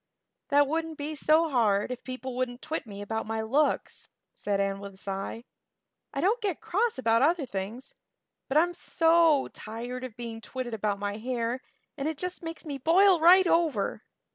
"That wouldn't be so hard if people wouldn't twit me about my looks," said Anne with a sigh. "I don't get cross about other things; but I'm so tired of being twitted about my hair and it just makes me boil right over.